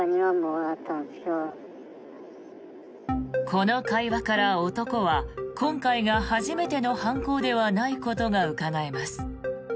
この会話から、男は今回が初めての犯行ではないことがうかがえます。